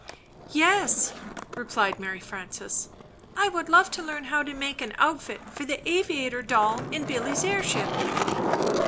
"Yes," repUed Mary Frances. "I would love to learn how to make an outfit for the aviator doll in Billy's airship."